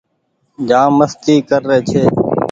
جآم مستي ڪر ري ڇي